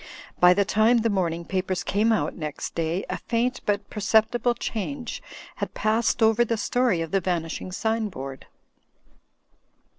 By the time the morning papers came out next day a faint but perceptible change had passed over the story of the vanishing sign board.